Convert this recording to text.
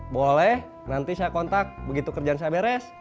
boleh nanti saya kontak begitu kerjaan saya beres